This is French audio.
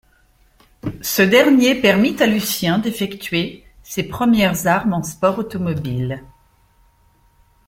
Ce dernier permit à Lucien d'effectuer ses premières armes en sport automobile.